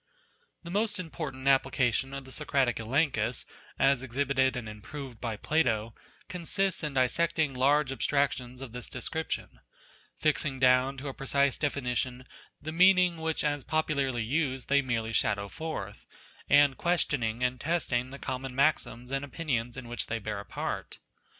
B 4 NATURE The most important application of the Socratic Elenchus, as exhibited and improved by Plato, consists in dissecting large abstractions of this description ; fixing down to a precise definition the meaning which as popularly used they merely shadow forth, and questioning and testing the common maxims and opinions in which they bear a part.